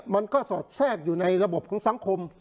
มันก็สอดแทรกอยู่ในระบบของสังคม